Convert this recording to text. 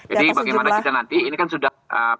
jadi bagaimana kita nanti ini kan sudah